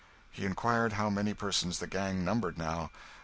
He inquired how many persons the gang numbered now.